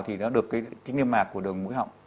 thì nó được cái niêm mạc của đường mũi họng